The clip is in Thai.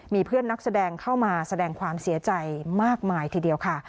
มีเพื่อนนักแสดงเข้ามาแสดงความเสียใจมากมายทีเดียวค่ะ